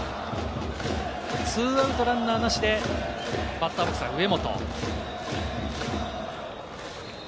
２アウトランナーなしで、バッターボックスは上本。